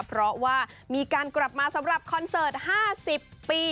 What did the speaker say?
เพราะว่ามีการกลับมาสำหรับคอนเสิร์ต๕๐ปี